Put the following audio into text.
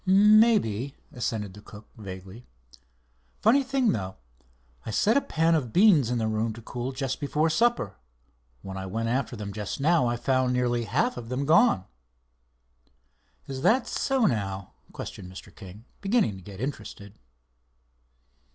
"Maybe," assented the cook, vaguely. "Funny thing, though. I set a pan of beans in the room to cool before supper. When I went after them just now I found nearly half of them gone." "Is that so, now?" questioned Mr. King, beginning to get interested.